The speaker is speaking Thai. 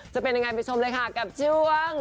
จะเป็นยังไงไปชมเลยค่ะกับช่วง